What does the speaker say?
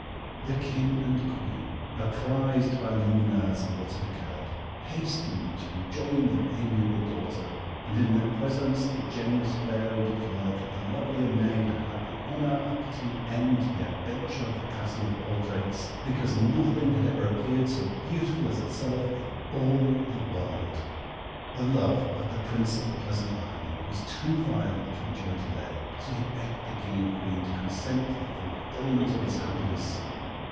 The King and Queen, apprised by Lumineuse of what had occurred, hastened to rejoin their amiable daughter; and in their presence the generous Fairy declared that the lovely Aimée had had the honour of putting an end to the adventure of the Castle of Portraits, because nothing had ever appeared so beautiful as herself in all the world. The love of the Prince of the Pleasant Island was too violent to endure delay, so he begged the King and Queen to consent to the fulfilment of his happiness.